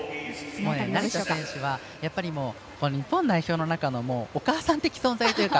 成田選手は日本代表の中のお母さん的存在というか。